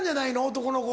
男の子。